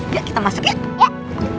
yuk kita masuk yuk